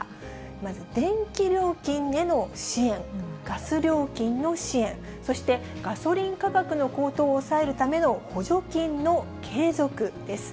まず電気料金への支援、ガス料金の支援、そしてガソリン価格の高騰を抑えるための補助金の継続です。